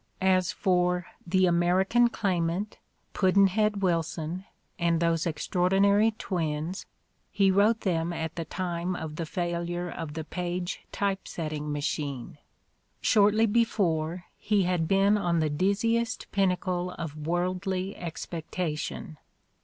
As for "The American Claimant," "Pudd'n head Wilson," and "Those Extraordinary Twins," he wrote them at the time of the failure of the Paige Type setting Machine. Shortly before, he had been on the dizziest pinnacle of worldly expectation.